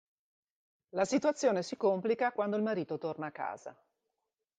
La situazione si complica quando il marito torna a casa.